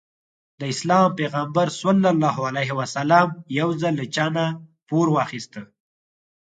د اسلام پيغمبر ص يو ځل له چانه پور واخيسته.